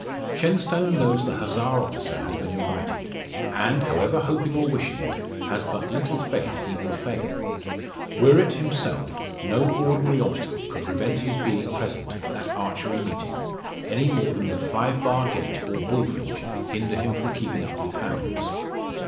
Shenstone knows the Hussar officer has been invited; and, however hoping or wishing it, has but little faith he will fail. Were it himself no ordinary obstacle could prevent his being present at that archery meeting, any more than would five barred gate, or bullfinch, hinder him from keeping up with hounds.